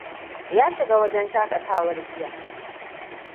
Ya shiga wajen shaƙatawar jiya.